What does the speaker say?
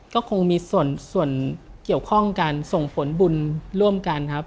ก็คงมีส่วนเกี่ยวข้องกันส่งผลบุญร่วมกันครับ